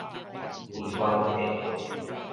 位元幣